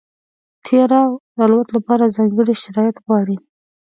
طیاره د الوت لپاره ځانګړي شرایط غواړي.